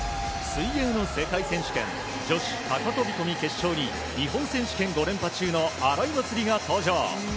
水泳の世界選手権女子高飛込決勝に日本選手権５連覇中の荒井祭里が登場。